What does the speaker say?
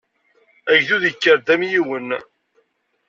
Agdud yekker-d am yiwen.